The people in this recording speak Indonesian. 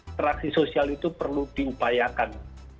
interaksi sosial itu perlu diupayakan